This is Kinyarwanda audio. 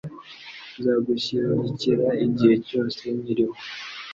Nzagushyigikira igihe cyose nkiriho.